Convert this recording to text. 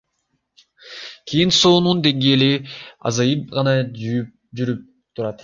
Кийин суунун деңгээли азайып гана жүрүп отурат.